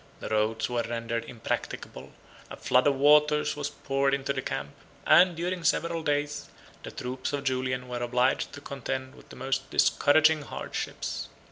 The roads were rendered impracticable; a flood of waters was poured into the camp; and, during several days, the troops of Julian were obliged to contend with the most discouraging hardships.